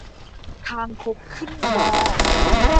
คางคกขึ้นวอ